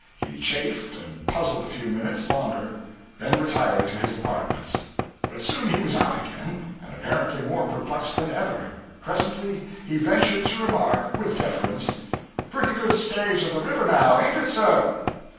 He chafed and puzzled a few minutes longer, then retired to his apartments. But soon he was out again, and apparently more perplexed than ever. Presently he ventured to remark, with deference 'Pretty good stage of the river now, ain't it, sir?'